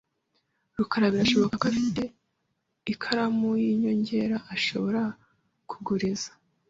rukarabirashoboka ko afite ikaramu yinyongera ashobora kuguriza.